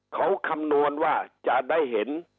เขาคำนวณว่าจะได้เห็น